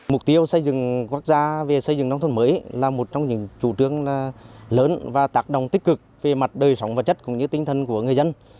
mục tiêu xây dựng quốc gia về xây dựng nông thôn mới là một trong những chủ trương lớn và tác động tích cực về mặt đời sống vật chất cũng như tinh thần của người dân